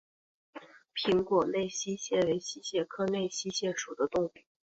平果内溪蟹为溪蟹科内溪蟹属的动物。